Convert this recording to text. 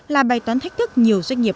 là bài toán thách thức nhiều doanh nghiệp